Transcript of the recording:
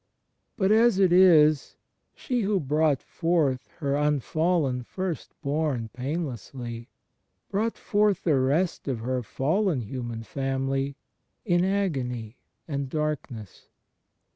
But, as it is, she who brought forth her imfallen First bom painlessly, brought forth the rest of her fallen Human Family in agony and darkness.